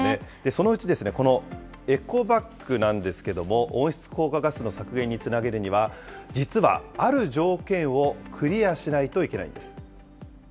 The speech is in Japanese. そのうち、このエコバッグなんですけれども、温室効果ガスの削減につなげるには、実はある条件をクリアしないといけないんです。